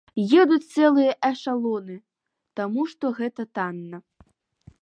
Едуць цэлыя эшалоны, таму што гэта танна.